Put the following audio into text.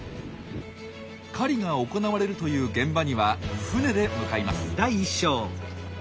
狩りが行われるという現場には船で向かいます。